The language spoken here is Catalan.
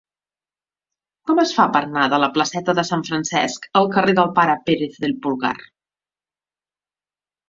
Com es fa per anar de la placeta de Sant Francesc al carrer del Pare Pérez del Pulgar?